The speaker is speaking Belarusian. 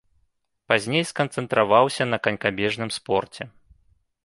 Пазней сканцэнтраваўся на канькабежным спорце.